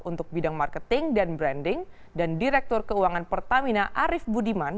untuk bidang marketing dan branding dan direktur keuangan pertamina arief budiman